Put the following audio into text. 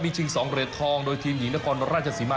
ชิง๒เหรียญทองโดยทีมหญิงนครราชสีมา